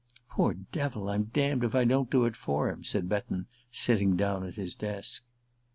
"Poor devil, I'm damned if I don't do it for him!" said Betton, sitting down at his desk.